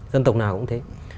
dân tộc nào cũng thế